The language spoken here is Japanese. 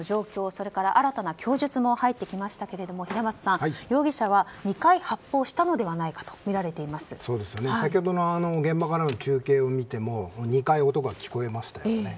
それから新たな供述も入ってきましたけれども平松さん、容疑者は２回発砲したのではないかと先ほどの現場からの中継を見ても２回、音が聞こえましたよね。